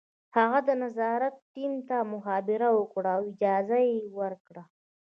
هغه د نظارت ټیم ته مخابره وکړه او اجازه یې ورکړه